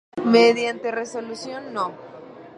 Mediante resolución No.